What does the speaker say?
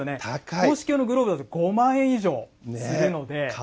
硬式用のグローブだと５万円以上するので。